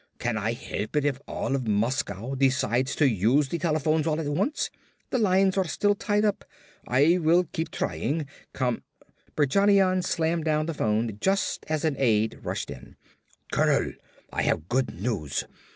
Can I help it if all of Moscow decides to use the telephones all at once? The lines are still tied up. I will keep trying, Com " Berjanian slammed down the phone just as an aide rushed in. "Colonel, I have good news!